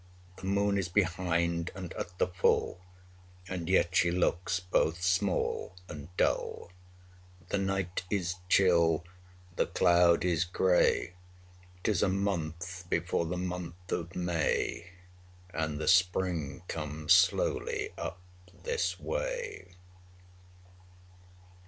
The moon is behind, and at the full; And yet she looks both small and dull. The night is chill, the cloud is gray: 20 'Tis a month before the month of May, And the Spring comes slowly up this way.